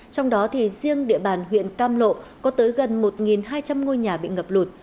trong đó riêng địa bàn huyện cam lộ có tới gần một hai trăm linh ngôi nhà bị ngập lụt